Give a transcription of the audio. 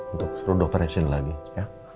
untuk suruh dokternya sini lagi ya